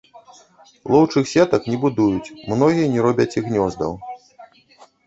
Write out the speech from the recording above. Лоўчых сетак не будуюць, многія не робяць і гнёздаў.